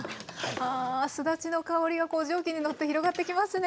あすだちの香りがこう蒸気にのって広がってきますね。